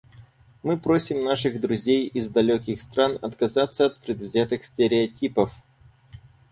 Мы просим наших друзей из далеких стран отказаться от предвзятых стереотипов.